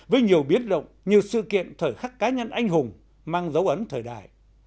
với nhiều biến động nhiều sự kiện thời khắc cá nhân anh hùng mang dấu ấn thời đại